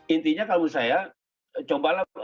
intinya kalau misalnya cobalah